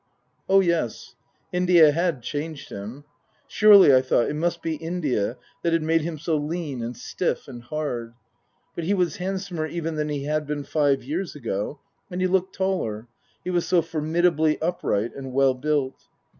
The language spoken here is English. Oh, yes, India had changed him. Surely, I thought, it must be India that had made him so lean and stiff and hard. But he was handsomer even than he had been five years ago, and he looked taller, he was so formidably upright and well built.